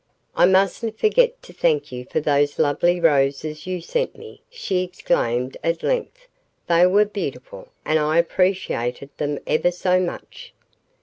"I mustn't forget to thank you for those lovely roses you sent me," she exclaimed at length. "They were beautiful and I appreciated them ever so much."